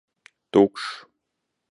Tukšs!